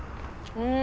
うん。